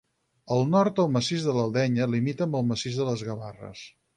Al nord el massís de l'Ardenya limita amb el massís de les Gavarres.